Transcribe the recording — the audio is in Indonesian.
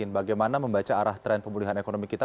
bagaimana membaca arah tren pemulihan ekonomi kita